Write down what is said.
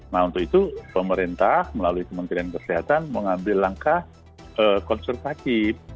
nah untuk itu pemerintah melalui kementerian kesehatan mengambil langkah konservatif